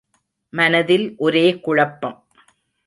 மனதில் ஒரே குழப்பம்.